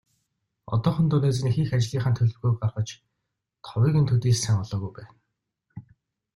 Одоохондоо найз нь хийх ажлынхаа төлөвлөгөөг гаргаж, товыг төдий л сайн олоогүй байна.